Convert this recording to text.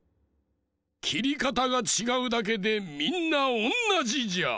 きりかたがちがうだけでみんなおんなじじゃ！